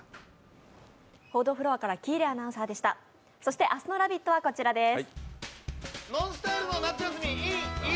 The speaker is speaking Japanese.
そして明日の「ラヴィット！」はこちらです。